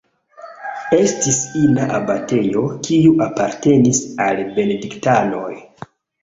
Estis ina abatejo, kiu apartenis al benediktanoj.